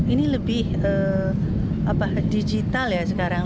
ini lebih digital ya sekarang